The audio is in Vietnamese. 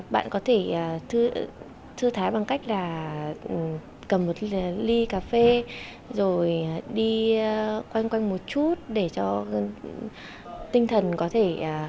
bạn có thể thư thái bằng cách là cầm một ly ly cà phê rồi đi quanh quanh một chút để cho tinh thần có thể